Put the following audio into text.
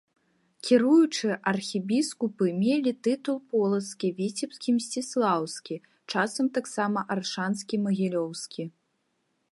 Кіруючыя архібіскупы мелі тытул полацкі, віцебскі і мсціслаўскі, часам таксама аршанскі і магілёўскі.